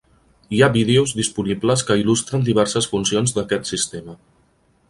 Hi ha vídeos disponibles que il·lustren diverses funcions d'aquest sistema.